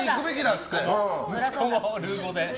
息子もルー語で。